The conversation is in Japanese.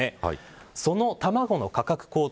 その卵の価格高騰